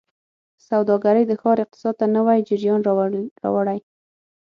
سوداګرۍ د ښار اقتصاد ته نوي جریان راوړي.